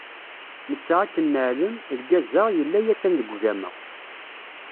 Netta akken neεlem, lgaz-a, yella yakan deg ugama.